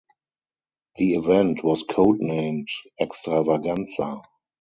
The event was codenamed "Extravaganza".